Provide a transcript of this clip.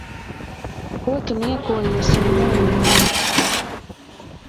Ko tu niekojies un muldi?